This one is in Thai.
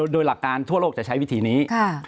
โดยหลักการทั่วโลกจะใช้วิธีนี้